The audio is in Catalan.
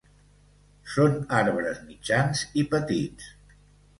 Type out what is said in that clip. Són arbres mitjans i petits.